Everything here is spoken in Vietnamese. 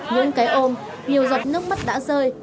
những cái ôm nhiều giọt nước mắt đã rơi